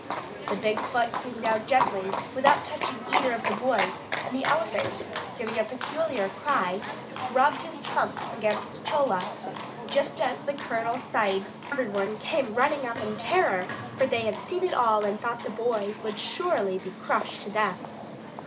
The big foot came down gently without touching either of the boys, and the elephant, giving a peculiar cry, rubbed his trunk against Chola, just as the Colonel Sahib and every one came running up in terror, for they had seen it all and thought that the boys would surely be crushed to death.